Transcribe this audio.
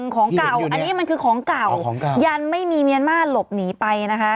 ของเก่าอันนี้มันคือของเก่าของเก่ายันไม่มีเมียนมาร์หลบหนีไปนะคะ